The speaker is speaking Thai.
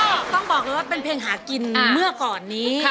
ต้องบอกเลยว่าเป็นเพลงหากินเมื่อก่อนนี้